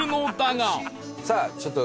さあちょっと